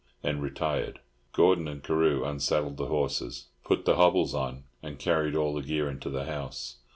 and retired. Gordon and Carew unsaddled the horses, put the hobbles on, and carried all the gear into the house.